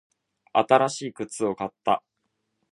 新しい靴を買った。